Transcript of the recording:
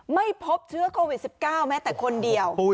ไม่พบเชื้อโควิด๑๙แม้แต่คนเดียว